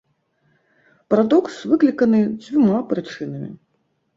Парадокс выкліканы дзвюма прычынамі.